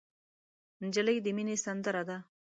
نجلۍ د مینې سندره ده.